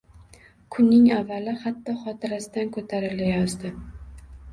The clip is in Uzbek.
— kunning avvali hatto xotirasidan ko‘tarilayozdi.